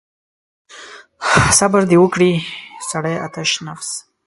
صبر دې وکړي سړی آتش نفس.